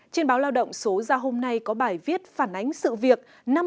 trên báo lao động số ra hôm nay có bài viết phản ánh sự việc